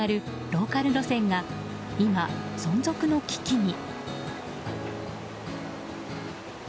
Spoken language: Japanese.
ローカル路線が今、存続の危機に。